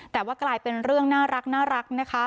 แต่ว่ากลายเป็นเรื่องน่ารักนะคะ